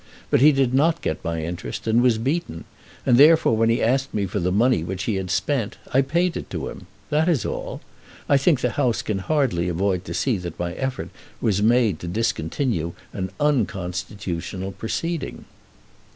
But he did not get my interest, and was beaten; and therefore when he asked me for the money which he had spent, I paid it to him. That is all. I think the House can hardly avoid to see that my effort was made to discontinue an unconstitutional proceeding."